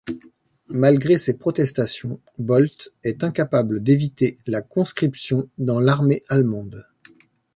Malgré ses protestations, Bolte est incapable d'éviter la conscription dans l'armée allemande.